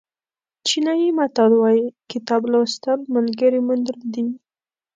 چینایي متل وایي کتاب لوستل ملګري موندل دي.